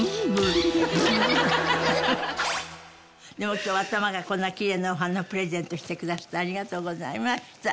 今日は頭からこんなきれいなお花プレゼントしてくだすってありがとうございました。